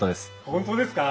本当ですか！